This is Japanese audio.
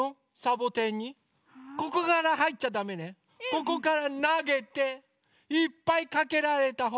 ここからなげていっぱいかけられたほうがかちね。